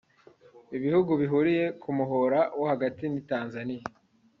Ibihugu bihuriye ku muhora wo hagati ni Tanzania